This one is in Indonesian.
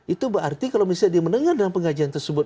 itu berarti kalau misalnya dia mendengar dalam pengajian tersebut